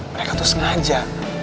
mereka tuh sengaja